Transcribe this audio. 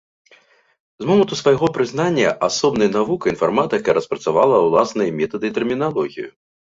З моманту свайго прызнання асобнай навукай інфарматыка распрацавала ўласныя метады і тэрміналогію.